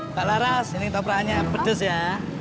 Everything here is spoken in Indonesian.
kak laras ini ketopraknya pedes ya